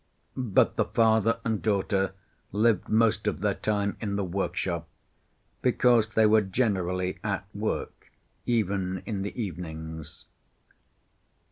But the father and daughter lived most of their time in the workshop, because they were generally at work, even in the evenings.